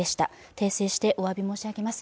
訂正しておわび申し上げます。